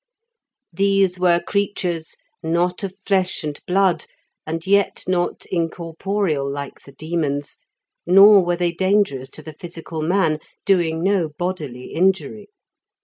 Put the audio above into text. These were creatures, not of flesh and blood, and yet not incorporeal like the demons, nor were they dangerous to the physical man, doing no bodily injury.